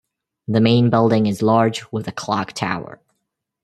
The main building is large with a clock tower.